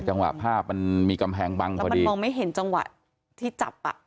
จังหวะภาพมันมีกำแพงบังแล้วมันมองไม่เห็นจังหวะที่จับอ่ะ